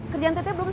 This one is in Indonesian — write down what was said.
kamu sudah bangun